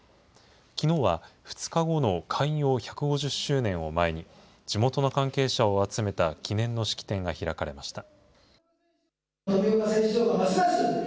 きのうは２日後の開業１５０周年を前に、地元の関係者を集めた記念の式典が開かれました。